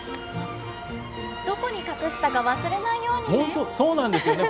どこに隠したか忘れないようにね。